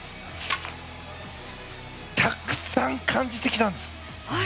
たくさん感じてきたんです。